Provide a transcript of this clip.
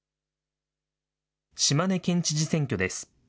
島根県知事選挙です。